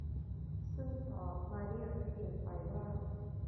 ซึ่งต่อมาเรียกเพี้ยนไปว่า